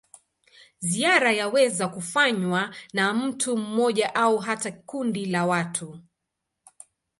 Ziara yaweza kufanywa na mtu mmoja au hata kundi la watu.